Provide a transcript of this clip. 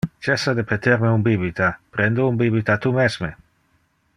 Cessa de peter me un bibita! Prende un bibita tu mesme.